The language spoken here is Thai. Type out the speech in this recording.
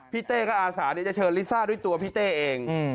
เต้กับอาสาจะเชิญลิซ่าด้วยตัวพี่เต้เอง